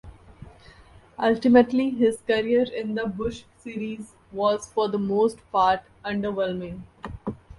Ultimately his career in the Busch Series was for the most part underwhelming.